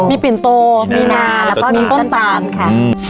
มีปิ่นโตมีนาแล้วก็มีต้นตาลค่ะ